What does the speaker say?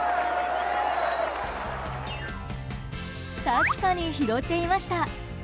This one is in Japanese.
確かに拾っていました。